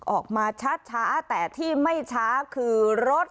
ออกมาช้าแต่ที่ไม่ช้าคือรถ